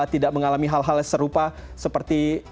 tidak mengalami hal hal yang serupa seperti